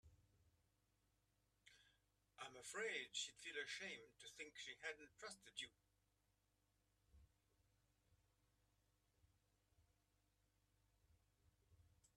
I'm afraid she'd feel ashamed to think she hadn't trusted you.